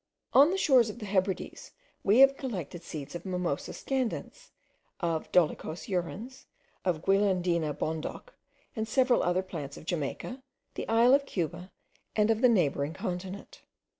On the shores of the Hebrides, we collect seeds of Mimosa scandens, of Dolichos urens, of Guilandina bonduc, and several other plants of Jamaica, the isle of Cuba, and of the neighbouring continent.